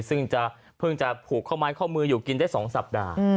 ซึ่งจะเพิ่งจะผูกข้อไม้ข้อมืออยู่กินได้๒สัปดาห์